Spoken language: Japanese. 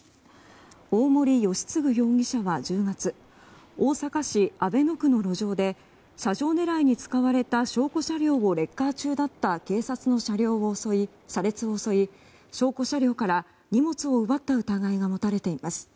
大森由嗣容疑者は１０月大阪市阿倍野区の路上で車上狙いに使われた証拠車両をレッカー中だった警察の車列を襲い証拠車両から荷物を奪った疑いが持たれています。